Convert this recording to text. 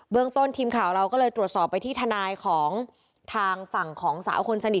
ต้นทีมข่าวเราก็เลยตรวจสอบไปที่ทนายของทางฝั่งของสาวคนสนิท